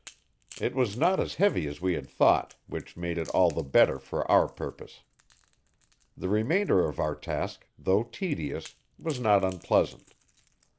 It was not as heavy as we had thought, which made it all the better for our purpose. The remainder of our task, though tedious, was not unpleasant.